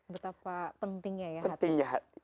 betapa pentingnya ya hatimu